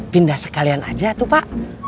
pindah sekalian aja tuh pak